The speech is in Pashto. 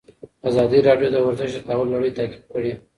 ازادي راډیو د ورزش د تحول لړۍ تعقیب کړې.